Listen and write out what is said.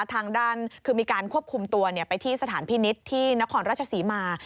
ทางด้านคือมีการควบคุมตัวไปที่สถานพินิษฐ์ที่นครราชศรีมา